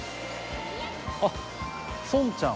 あっ「孫ちゃん」